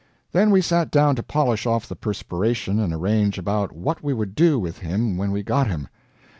Then we sat down to polish off the perspiration and arrange about what we would do with him when we got him.